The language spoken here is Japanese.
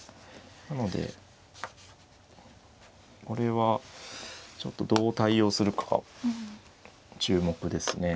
なのでこれはちょっとどう対応するかが注目ですね。